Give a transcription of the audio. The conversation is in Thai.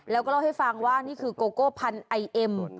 แล้วก็เล่าให้ฟังว่านี่คือโกโก้พันไอเอ็ม